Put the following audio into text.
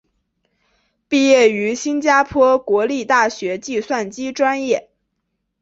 毕业于新加坡国立大学计算机专业。